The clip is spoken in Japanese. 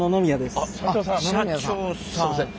すいません。